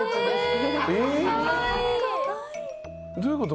どういうこと？